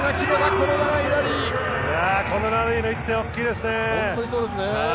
このラリーの１点は大きいですね。